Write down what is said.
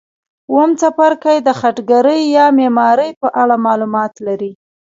اووم څپرکی د خټګرۍ یا معمارۍ په اړه معلومات لري.